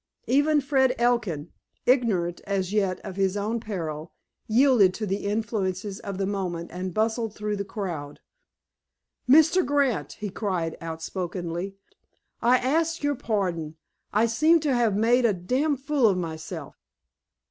Even Fred Elkin, ignorant as yet of his own peril, yielded to the influences of the moment and bustled through the crowd. "Mr. Grant," he cried outspokenly, "I ask your pardon. I seem to have made a d—d fool of myself!"